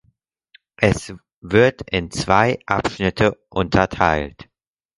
Es wird in zwei Abschnitte unterteilt.